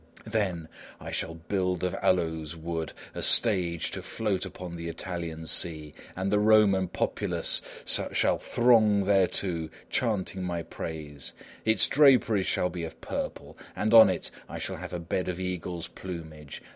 Then, I shall build of aloes wood a stage to float upon the Italian sea, and the Roman populace shall throng thereto chanting my praise. Its draperies shall be of purple, and on it I shall have a bed of eagles' plumage.